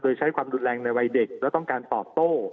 โดยใช้ความรุนแรงในวัยเด็กและต้องการตอบโต้